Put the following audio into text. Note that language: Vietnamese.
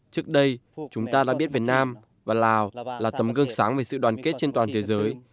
trước đây chúng ta đã biết việt nam và lào là tấm gương sáng về sự đoàn kết trên toàn thế giới